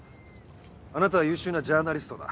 あなたは優秀なジャーナリストだ。